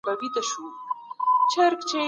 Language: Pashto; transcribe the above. بشریت له ستم څخه د خلاصون لار لټوي.